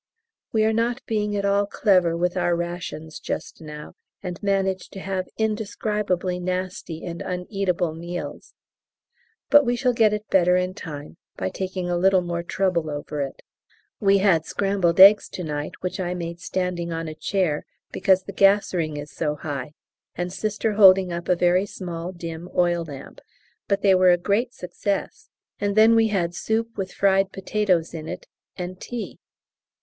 We are not being at all clever with our rations just now, and manage to have indescribably nasty and uneatable meals! But we shall get it better in time, by taking a little more trouble over it. We had scrambled eggs to night, which I made standing on a chair, because the gas ring is so high, and Sister holding up a very small dim oil lamp. But they were a great success. And then we had soup with fried potatoes in it! and tea.